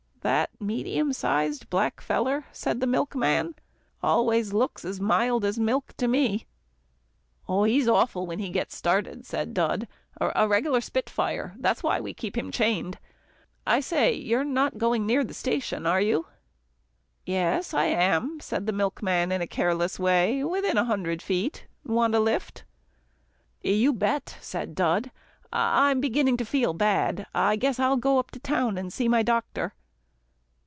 "That medium sized black feller," said the milkman "always looks mild as milk to me." "He's awful when he gets started," said Dud "a regular spitfire. That's why we keep him chained I say, you're not going near the station, are you?" "Yes I am," said the milkman in a careless way, "within a hundred feet want a lift?" "You bet," said Dud. "I'm beginning to feel bad. I guess I'll go to town, and see my doctor."